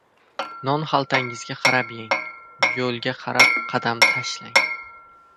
• Non xaltangizga qarab yeng, yo‘lga qarab qadam tashlang.